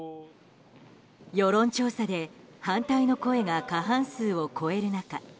世論調査で反対の声が過半数を超える中